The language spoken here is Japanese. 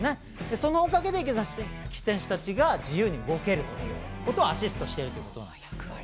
そのおかげで、池崎選手たちが自由に動けるということをアシストしてるということなんです。